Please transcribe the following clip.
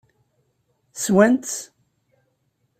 Swan-tt?